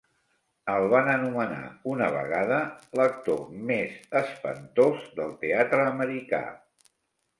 El van anomenar una vegada "l'actor més espantós del teatre americà".